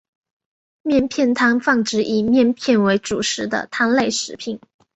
面片汤泛指以面片为主食的汤类食品。